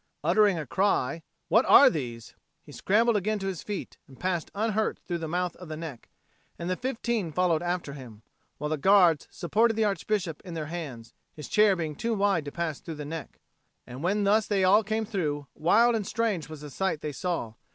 Uttering a cry, "What are these?" he scrambled again to his feet, and passed unhurt through the mouth of the neck, and the fifteen followed after him, while the Guards supported the Archbishop in their hands, his chair being too wide to pass through the neck. And when thus they all came through, wild and strange was the sight they saw.